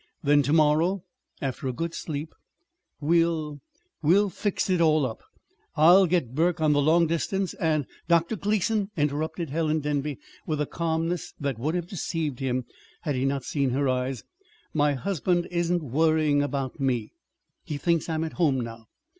Then, to morrow, after a good sleep, we'll we'll fix it all up. I'll get Burke on the long distance, and " "Dr. Gleason," interrupted Helen Denby, with a calmness that would have deceived him had he not seen her eyes, "my husband isn't worrying about me. He thinks I'm at home now.